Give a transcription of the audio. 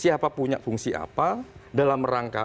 siapa punya fungsi apa dalam rangka